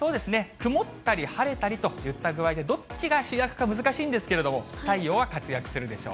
曇ったり晴れたりといった具合でどっちが主役か難しいんですけれども、太陽は活躍するでしょう。